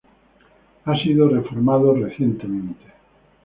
Ha sido reformado recientemente.